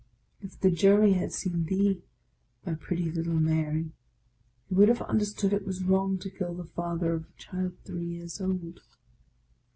If the Jury had seen thee, my pretty little Mary, they would have understood it was wrong to kill the Father of a child three years old.